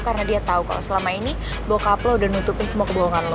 karena dia tau kalau selama ini bokap lo udah nutupin semua kebohongan lo